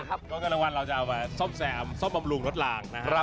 ตอนกลางวันเราจะเอามาซ่อมแซมซ่อมบำรุงรถลางนะครับ